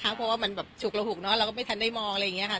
เพราะว่ามันแบบฉุกระหุกเนอะเราก็ไม่ทันได้มองอะไรอย่างนี้ค่ะ